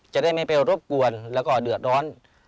จะได้ไม่ไปรบกวนแล้วก็เดือดร้อน